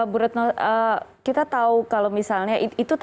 bu retno kita tahu kalau misalnya